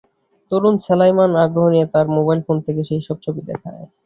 তরুণ সেলায়মান আগ্রহ নিয়ে তার মোবাইল ফোন থেকে সেই সব ছবি দেখায়।